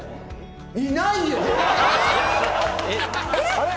あれ？